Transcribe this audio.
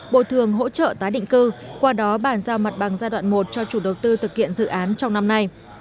bồi thường hỗ trợ tái định cư qua đó bàn giao mặt bằng giai đoạn một cho chủ đầu tư thực hiện dự án trong năm nay